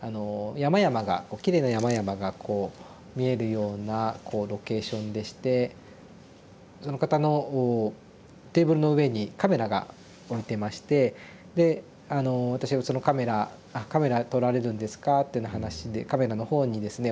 あの山々がきれいな山々がこう見えるようなこうロケーションでしてその方のテーブルの上にカメラが置いてましてで私がそのカメラ「あカメラ撮られるんですか」ってな話でカメラの方にですね